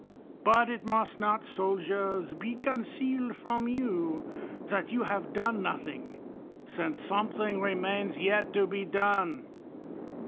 But it, must not, soldiers, be concealed from you, that youi| have done vothlns: since .something remains yet to be^ done.